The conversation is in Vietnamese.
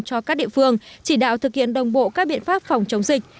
cho các địa phương chỉ đạo thực hiện đồng bộ các biện pháp phòng chống dịch